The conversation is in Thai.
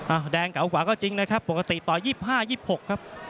แดงเก่ากว่าก็จริงนะครับปกติต่อ๒๕๒๖ครับ